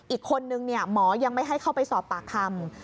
อีกคนนึงหมอยังไม่ให้เข้าไปสอบปากคำ